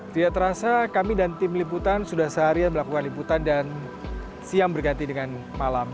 tidak terasa kami dan tim liputan sudah seharian melakukan liputan dan siang berganti dengan malam